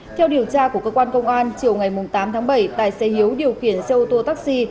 theo điều tra của cơ quan công an chiều ngày tám tháng bảy tài xế hiếu điều khiển xe ô tô taxi